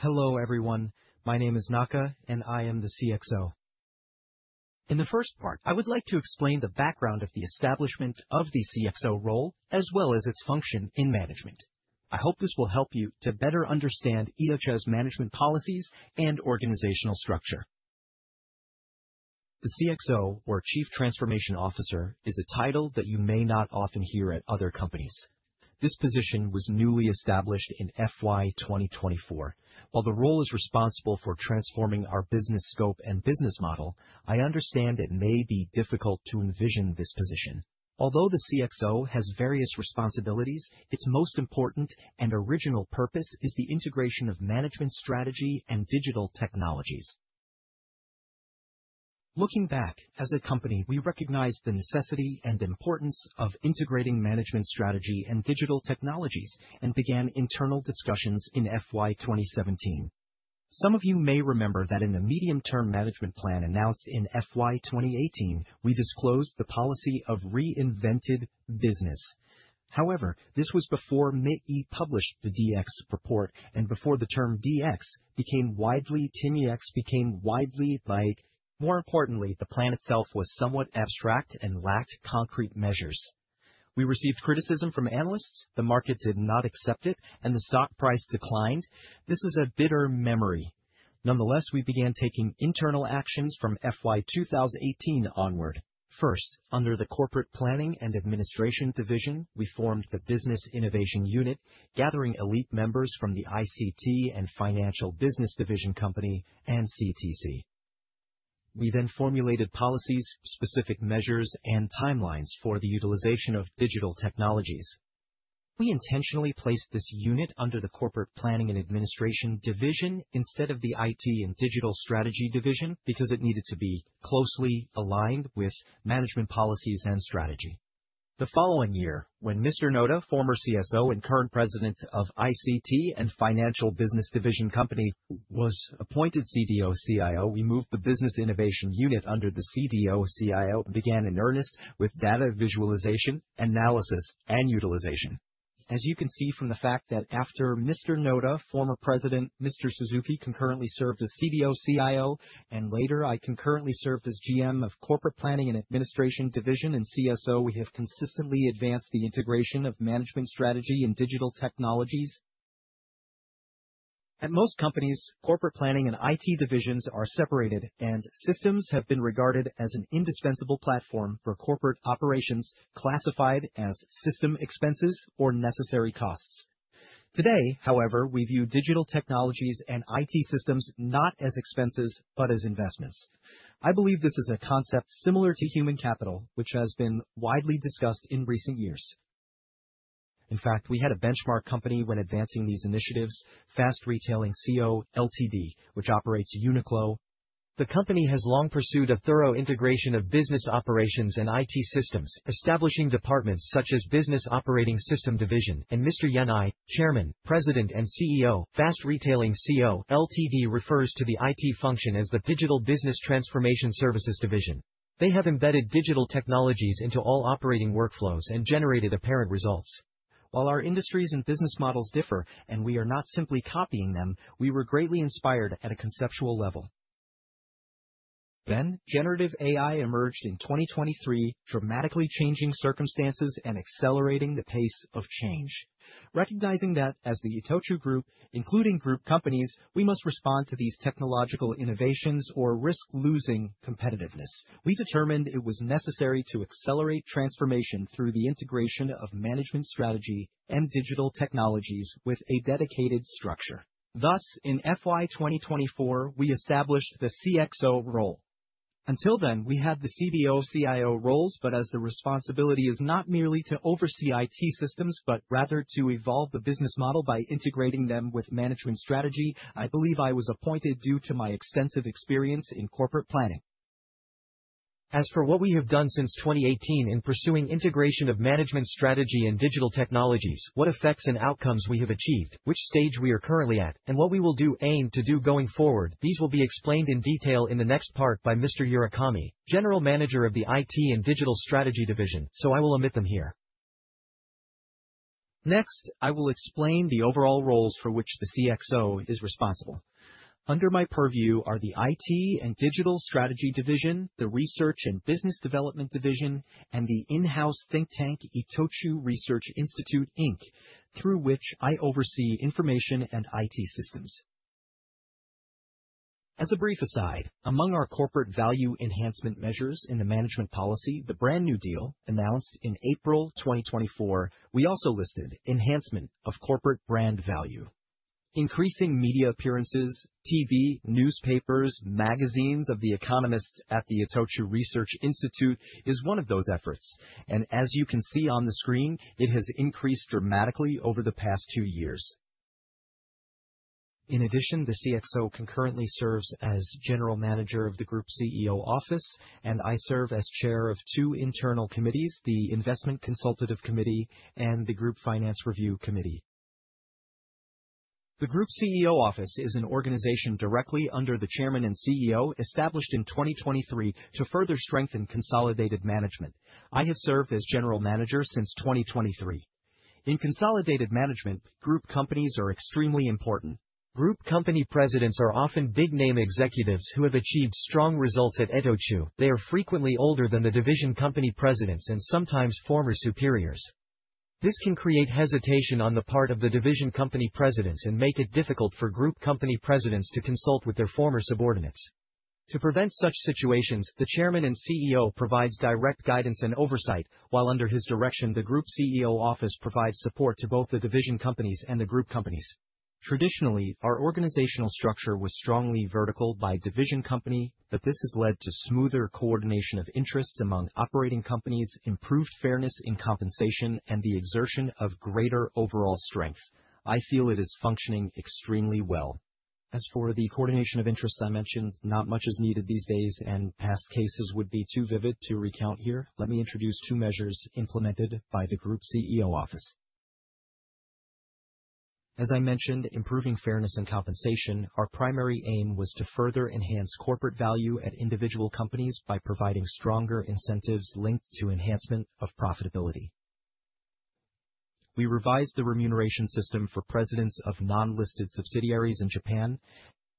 Hello everyone, my name is Naka and I am the CXO. In the first part, I would like to explain the background of the establishment of the CXO role as well as its function in management. I hope this will help you to better understand ITOCHU's management policies and organizational structure. The CXO, or Chief Transformation Officer, is a title that you may not often hear at other companies. This position was newly established in FY 2024. While the role is responsible for transforming our business scope and business model, I understand it may be difficult to envision this position. Although the CXO has various responsibilities, its most important and original purpose is the integration of management strategy and digital technologies. Looking back, as a company, we recognized the necessity and importance of integrating management strategy and digital technologies and began internal discussions in FY 2017. Some of you may remember that in the medium-term management plan announced in FY 2018, we disclosed the policy of reinvented business. However, this was before METI published the DX report and before the term DX became widely, widely liked. More importantly, the plan itself was somewhat abstract and lacked concrete measures. We received criticism from analysts, the market did not accept it, and the stock price declined. This is a bitter memory. Nonetheless, we began taking internal actions from FY 2018 onward. First, under the Corporate Planning and Administration Division, we formed the Business Innovation Unit, gathering elite members from the ICT and Financial Business Division company and CTC. We then formulated policies, specific measures, and timelines for the utilization of digital technologies. We intentionally placed this unit under the Corporate Planning and Administration Division instead of the IT and Digital Strategy Division because it needed to be closely aligned with management policies and strategy. The following year, when Mr. Noda, former CSO and current president of ICT and Financial Business Division company, was appointed CDO/CIO, we moved the Business Innovation Unit under the CDO/CIO and began in earnest with data visualization, analysis, and utilization. As you can see from the fact that after Mr. Noda, former president, Mr. Suzuki, concurrently served as CDO/CIO, and later I concurrently served as GM of Corporate Planning and Administration Division and CSO, we have consistently advanced the integration of management strategy and digital technologies. At most companies, corporate planning and IT divisions are separated, and systems have been regarded as an indispensable platform for corporate operations classified as system expenses or necessary costs. Today, however, we view digital technologies and IT systems not as expenses but as investments. I believe this is a concept similar to human capital, which has been widely discussed in recent years. In fact, we had a benchmark company when advancing these initiatives, Fast Retailing Co., Ltd., which operates Uniqlo. The company has long pursued a thorough integration of business operations and IT systems, establishing departments such as Business Operating System Division. Mr. Yanai, Chairman, President and CEO, Fast Retailing Co., Ltd., refers to the IT function as the Digital Business Transformation Services Division. They have embedded digital technologies into all operating workflows and generated apparent results. While our industries and business models differ, and we are not simply copying them, we were greatly inspired at a conceptual level. Generative AI emerged in 2023, dramatically changing circumstances and accelerating the pace of change. Recognizing that, as the ITOCHU Group, including group companies, we must respond to these technological innovations or risk losing competitiveness, we determined it was necessary to accelerate transformation through the integration of management strategy and digital technologies with a dedicated structure. Thus, in FY 2024, we established the CXO role. Until then, we had the CBO/CIO roles, but as the responsibility is not merely to oversee IT systems but rather to evolve the business model by integrating them with management strategy, I believe I was appointed due to my extensive experience in corporate planning. As for what we have done since 2018 in pursuing integration of management strategy and digital technologies, what effects and outcomes we have achieved, which stage we are currently at, and what we will aim to do going forward, these will be explained in detail in the next part by Mr. Yurikami, General Manager of the IT and Digital Strategy Division, so I will omit them here. Next, I will explain the overall roles for which the CXO is responsible. Under my purview are the IT and Digital Strategy Division, the Research and Business Development Division, and the in-house think tank Itochu Research Institute Inc., through which I oversee information and IT systems. As a brief aside, among our corporate value enhancement measures in the management policy, the brand new deal announced in April 2024, we also listed enhancement of corporate brand value. Increasing media appearances, TV, newspapers, magazines of the economists at the Itochu Research Institute is one of those efforts, and as you can see on the screen, it has increased dramatically over the past two years. In addition, the CXO concurrently serves as General Manager of the Group CEO Office, and I serve as Chair of two internal committees, the Investment Consultative Committee and the Group Finance Review Committee. The Group CEO Office is an organization directly under the Chairman and CEO, established in 2023 to further strengthen consolidated management. I have served as General Manager since 2023. In consolidated management, group companies are extremely important. Group company presidents are often big-name executives who have achieved strong results at Itochu. They are frequently older than the division company presidents and sometimes former superiors. This can create hesitation on the part of the division company presidents and make it difficult for group company presidents to consult with their former subordinates. To prevent such situations, the Chairman and CEO provides direct guidance and oversight, while under his direction, the Group CEO Office provides support to both the division companies and the group companies. Traditionally, our organizational structure was strongly vertical by division company. This has led to smoother coordination of interests among operating companies, improved fairness in compensation, and the exertion of greater overall strength. I feel it is functioning extremely well. As for the coordination of interests I mentioned, not much is needed these days, and past cases would be too vivid to recount here. Let me introduce two measures implemented by the Group CEO Office. As I mentioned, improving fairness in compensation, our primary aim was to further enhance corporate value at individual companies by providing stronger incentives linked to enhancement of profitability. We revised the remuneration system for presidents of non-listed subsidiaries in Japan.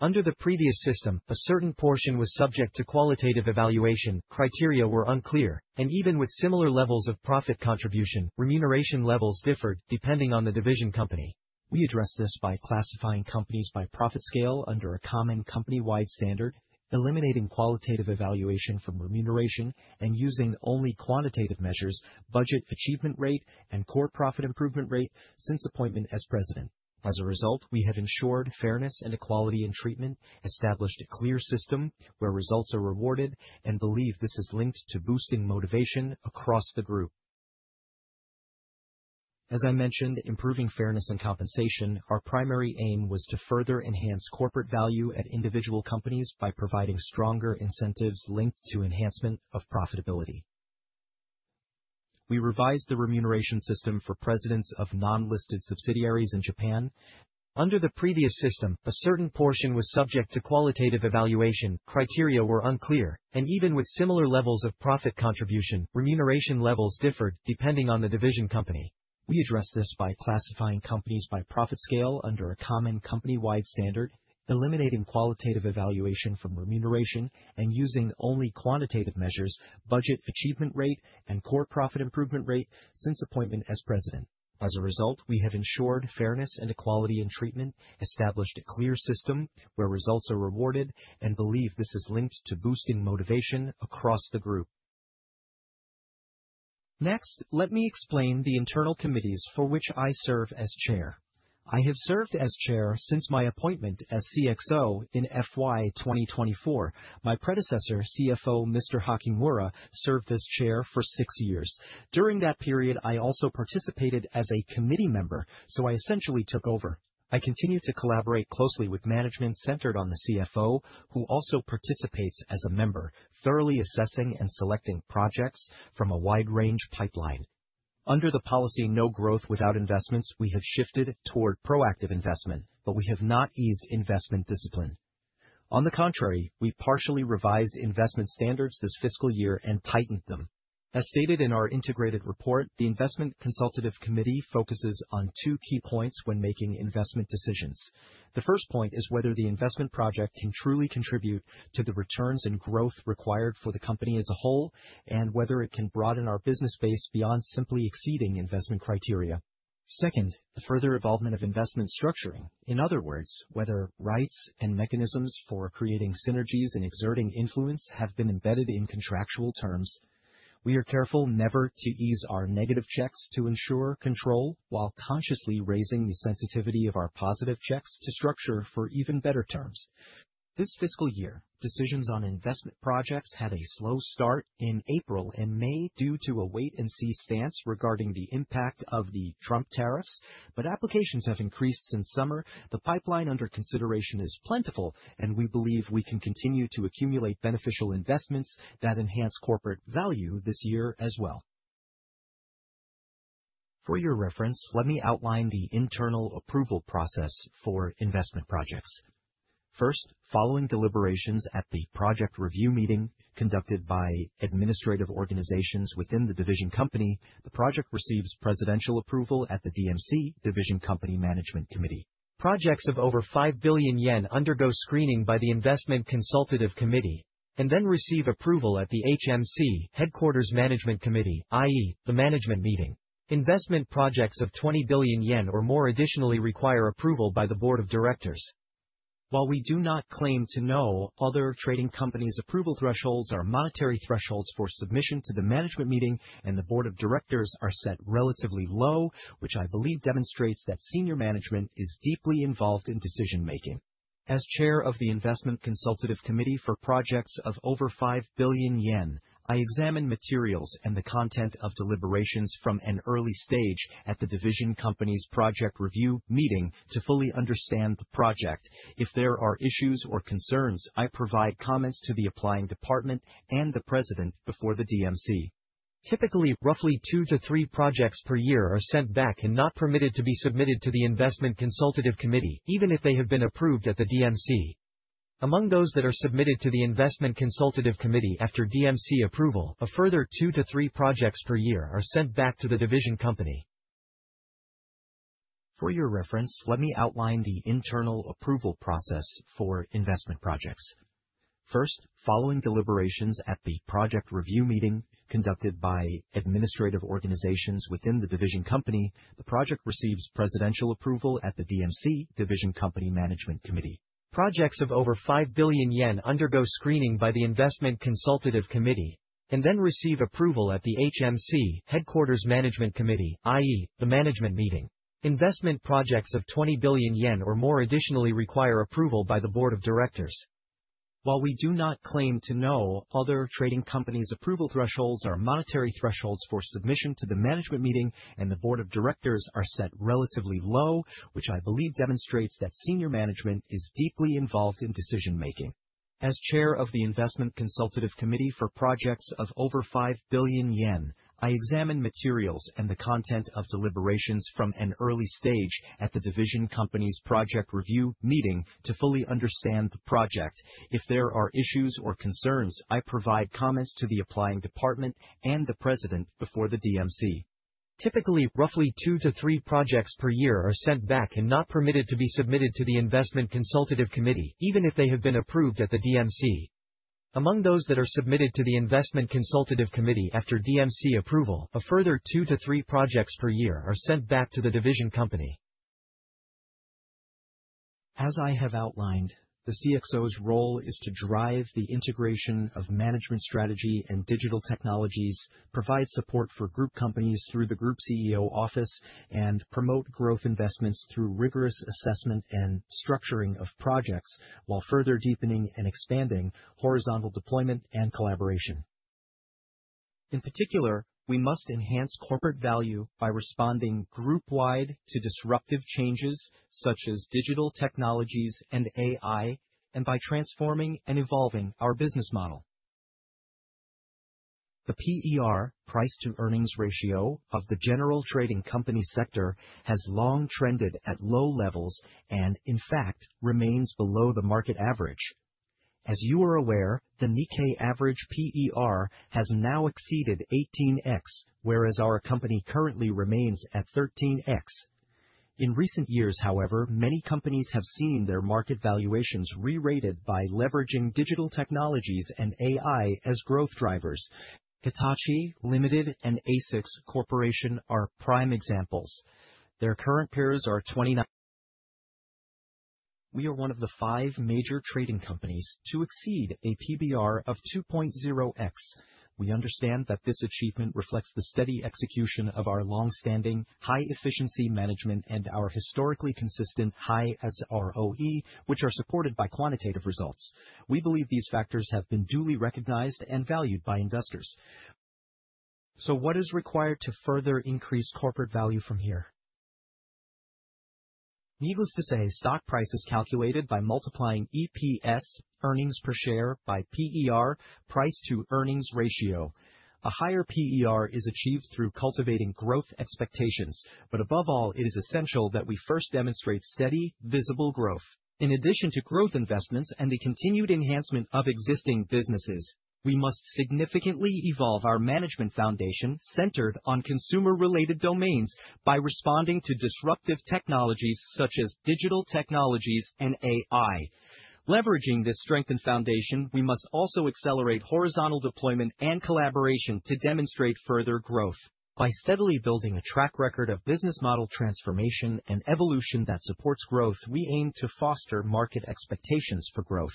Under the previous system, a certain portion was subject to qualitative evaluation. Criteria were unclear, and even with similar levels of profit contribution, remuneration levels differed depending on the division company. We addressed this by classifying companies by profit scale under a common company-wide standard, eliminating qualitative evaluation from remuneration, and using only quantitative measures: budget achievement rate and core profit improvement rate since appointment as president. As a result, we have ensured fairness and equality in treatment, established a clear system where results are rewarded, and believe this is linked to boosting motivation across the group. As I mentioned, improving fairness and compensation, our primary aim was to further enhance corporate value at individual companies by providing stronger incentives linked to enhancement of profitability. We revised the remuneration system for presidents of non-listed subsidiaries in Japan. Under the previous system, a certain portion was subject to qualitative evaluation. Criteria were unclear, and even with similar levels of profit contribution, remuneration levels differed depending on the division company. We addressed this by classifying companies by profit scale under a common company-wide standard, eliminating qualitative evaluation from remuneration, and using only quantitative measures: budget achievement rate and core profit improvement rate since appointment as president. As a result, we have ensured fairness and equality in treatment, established a clear system where results are rewarded, and believe this is linked to boosting motivation across the group. Next, let me explain the internal committees for which I serve as Chair. I have served as Chair since my appointment as CXO in FY 2024. My predecessor, CFO Mr. Hakimura, served as Chair for six years. During that period, I also participated as a committee member, so I essentially took over. I continue to collaborate closely with management centered on the CFO, who also participates as a member, thoroughly assessing and selecting projects from a wide-range pipeline. Under the policy No Growth Without Investments, we have shifted toward proactive investment, but we have not eased investment discipline. On the contrary, we partially revised investment standards this fiscal year and tightened them. As stated in our integrated report, the Investment Consultative Committee focuses on two key points when making investment decisions. The first point is whether the investment project can truly contribute to the returns and growth required for the company as a whole, and whether it can broaden our business base beyond simply exceeding investment criteria. Second, the further evolvement of investment structuring; in other words, whether rights and mechanisms for creating synergies and exerting influence have been embedded in contractual terms. We are careful never to ease our negative checks to ensure control while consciously raising the sensitivity of our positive checks to structure for even better terms. This fiscal year, decisions on investment projects had a slow start in April and May due to a wait-and-see stance regarding the impact of the Trump tariffs, but applications have increased since summer. The pipeline under consideration is plentiful, and we believe we can continue to accumulate beneficial investments that enhance corporate value this year as well. For your reference, let me outline the internal approval process for investment projects. First, following deliberations at the Project Review Meeting conducted by administrative organizations within the division company, the project receives presidential approval at the DMC, Division Company Management Committee. Projects of over 5 billion yen undergo screening by the Investment Consultative Committee and then receive approval at the HMC, Headquarters Management Committee, i.e., the Management Meeting. Investment projects of 20 billion yen or more additionally require approval by the Board of Directors. While we do not claim to know, other trading companies' approval thresholds are monetary thresholds for submission to the Management Meeting, and the Board of Directors are set relatively low, which I believe demonstrates that senior management is deeply involved in decision-making. As Chair of the Investment Consultative Committee for projects of over 5 billion yen, I examine materials and the content of deliberations from an early stage at the Division Companies Project Review Meeting to fully understand the project. If there are issues or concerns, I provide comments to the Applying Department and the President before the DMC. Typically, roughly two to three projects per year are sent back and not permitted to be submitted to the Investment Consultative Committee, even if they have been approved at the DMC. Among those that are submitted to the Investment Consultative Committee after DMC approval, a further two to three projects per year are sent back to the division company. For your reference, let me outline the internal approval process for investment projects. First, following deliberations at the Project Review Meeting conducted by administrative organizations within the division company, the project receives presidential approval at the DMC, Division Company Management Committee. Projects of over 5 billion yen undergo screening by the Investment Consultative Committee and then receive approval at the HMC, Headquarters Management Committee, i.e., the Management Meeting. Investment projects of 20 billion yen or more additionally require approval by the Board of Directors. While we do not claim to know, other trading companies' approval thresholds are monetary thresholds for submission to the Management Meeting, and the Board of Directors are set relatively low, which I believe demonstrates that senior management is deeply involved in decision-making. As Chair of the Investment Consultative Committee for projects of over 5 billion yen, I examine materials and the content of deliberations from an early stage at the Division Companies Project Review Meeting to fully understand the project. If there are issues or concerns, I provide comments to the Applying Department and the President before the DMC. Typically, roughly two to three projects per year are sent back and not permitted to be submitted to the Investment Consultative Committee, even if they have been approved at the DMC. Among those that are submitted to the Investment Consultative Committee after DMC approval, a further two to three projects per year are sent back to the division company. As I have outlined, the CXO's role is to drive the integration of management strategy and digital technologies, provide support for group companies through the Group CEO Office, and promote growth investments through rigorous assessment and structuring of projects, while further deepening and expanding horizontal deployment and collaboration. In particular, we must enhance corporate value by responding group-wide to disruptive changes such as digital technologies and AI, and by transforming and evolving our business model. The PER, price-to-earnings ratio, of the general trading company sector has long trended at low levels and, in fact, remains below the market average. As you are aware, the Nikkei average PER has now exceeded 18x, whereas our company currently remains at 13x. In recent years, however, many companies have seen their market valuations re-rated by leveraging digital technologies and AI as growth drivers. Hitachi Limited and ASICS Corporation are prime examples. Their current PERs are. We are one of the five major trading companies to exceed a PBR of 2.0x. We understand that this achievement reflects the steady execution of our long-standing high-efficiency management and our historically consistent high SROE, which are supported by quantitative results. We believe these factors have been duly recognized and valued by investors. What is required to further increase corporate value from here? Needless to say, stock price is calculated by multiplying EPS, earnings per share, by PER, price-to-earnings ratio. A higher PER is achieved through cultivating growth expectations, but above all, it is essential that we first demonstrate steady, visible growth. In addition to growth investments and the continued enhancement of existing businesses, we must significantly evolve our management foundation centered on consumer-related domains by responding to disruptive technologies such as digital technologies and AI. Leveraging this strengthened foundation, we must also accelerate horizontal deployment and collaboration to demonstrate further growth. By steadily building a track record of business model transformation and evolution that supports growth, we aim to foster market expectations for growth.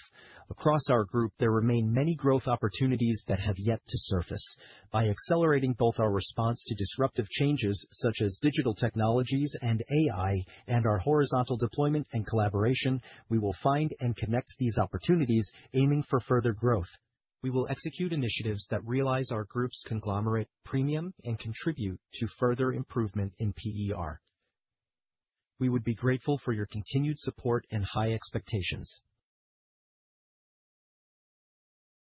Across our group, there remain many growth opportunities that have yet to surface. By accelerating both our response to disruptive changes such as digital technologies and AI and our horizontal deployment and collaboration, we will find and connect these opportunities, aiming for further growth. We will execute initiatives that realize our group's conglomerate premium and contribute to further improvement in PER. We would be grateful for your continued support and high expectations.